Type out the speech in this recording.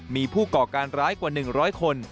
มีผู้ก่อการร้ายกว่า๑๐๐คน